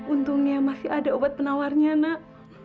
untungnya masih ada obat penawarnya nak